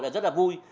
là rất là vui